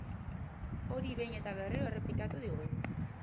Hori behin eta berriro errepikatu digu.